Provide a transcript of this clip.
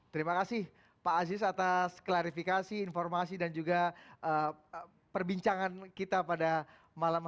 terima kasih pak aziz atas klarifikasi informasi dan juga perbincangan kita pada malam ini